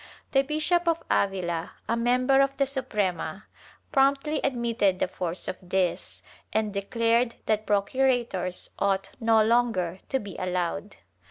The Bishop of Avila, a member of the Suprema, promptly admitted the force of this, and declared that procurators ought no longer to be allowed.